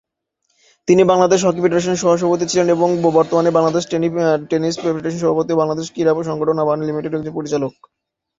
তিনি বাংলাদেশ হকি ফেডারেশনের সহ-সভাপতি ছিলেন এবং বর্তমানে বাংলাদেশ টেনিস ফেডারেশনের সভাপতি ও বাংলাদেশের ক্রীড়া সংগঠন আবাহনী লিমিটেডের একজন পরিচালক।